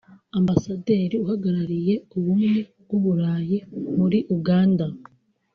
Ambasaderi uhagarariye Ubumwe bw’u Burayi muri Uganda